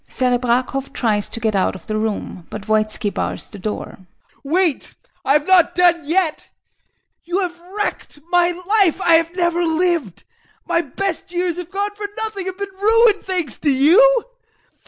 [SEREBRAKOFF tries to get out of the room, but VOITSKI bars the door] Wait! I have not done yet! You have wrecked my life. I have never lived. My best years have gone for nothing, have been ruined, thanks to you.